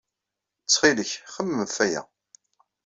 Ttxil-k, xemmem ɣef waya.